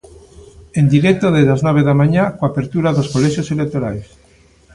En directo desde as nove da mañá, coa apertura dos colexios electorais.